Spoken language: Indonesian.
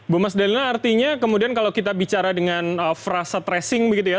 bu mas dalina artinya kemudian kalau kita bicara dengan frasa tracing begitu ya